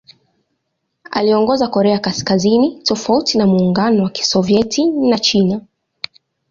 Aliongoza Korea Kaskazini tofauti na Muungano wa Kisovyeti na China.